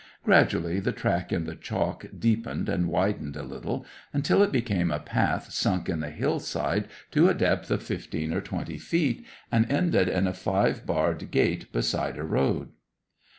Gradually the track in the chalk deepened and widened a little, until it became a path sunk in the hill side to a depth of fifteen or twenty feet, and ended in a five barred gate beside a road.